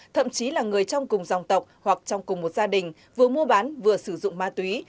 thậm chí là người trong cùng dòng tộc hoặc trong cùng một gia đình vừa mua bán vừa sử dụng ma túy